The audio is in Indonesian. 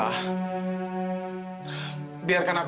aku mau berjalan ke rumah sakit